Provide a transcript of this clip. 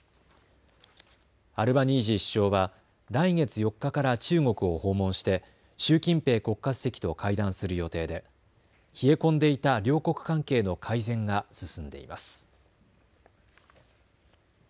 アルバニージー首相は来月４日から中国を訪問して習近平国家主席と会談する予定で冷え込んでいた両国関係の改善が進んでいます。